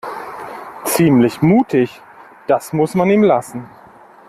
Ziemlich mutig, das muss man ihm lassen.